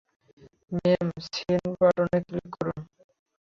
Ma'am, send বাটনে click করুন।